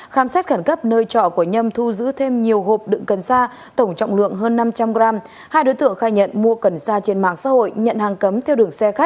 khám xét khẳng cấp nơi trọ của nhâm thu giữ thêm nhiều hộp đựng cần sa tổng trọng lượng hơn năm trăm linh g